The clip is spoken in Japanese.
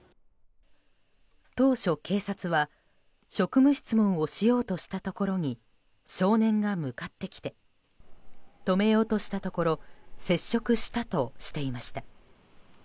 当初、警察は職務質問をしようとしたところに少年が向かってきて止めようとしたところ接触したとしていました。